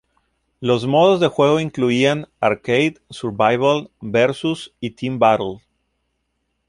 Los modos de juego incluían Arcade, Survival, Versus y Team Battle.